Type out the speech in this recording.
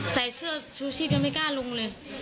ใส่เสื้อชูชีพยังไม่กล้าลงเลย